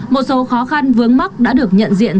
một số khó khăn vướng mắt đã được nhận diện